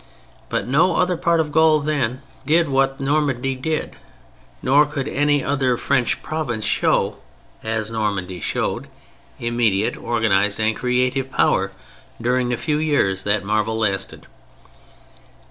But no other part of Gaul then did what Normandy did: nor could any other French province show, as Normandy showed, immediate, organized and creative power, during the few years that the marvel lasted.